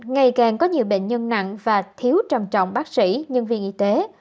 ngày càng có nhiều bệnh nhân nặng và thiếu trầm trọng bác sĩ nhân viên y tế